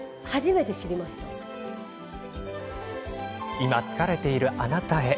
今、疲れているあなたへ。